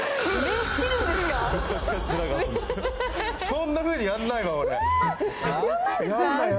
そんなふうにやらないわ、俺。